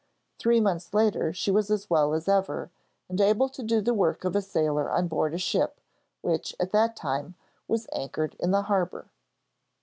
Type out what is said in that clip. Three months later she was as well as ever, and able to do the work of a sailor on board a ship which, at that time, was anchored in the harbour.